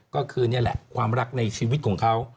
ก็คือนี่แหละความรักในชีวิตของเขา